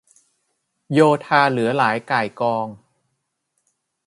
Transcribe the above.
โยธาเหลือหลายก่ายกอง